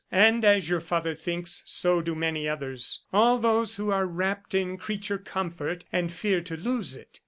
... And as your father thinks, so do many others all those who are wrapped in creature comfort, and fear to lose it.